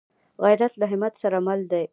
غیرت له همت سره مل دی